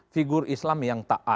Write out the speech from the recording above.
figur islam yang tak ada